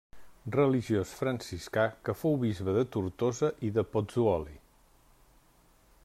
Religiós franciscà que fou bisbe de Tortosa i de Pozzuoli.